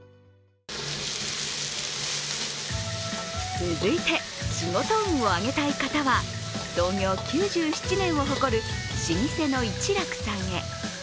続いて、仕事運を上げたい方は創業９７年を誇る老舗の一楽さんへ。